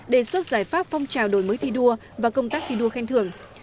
đề xuất giải pháp phong trào đổi mới thi đua và công tác thi đua khen thưởng